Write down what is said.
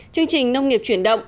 chương trình nông nghiệp chuyển động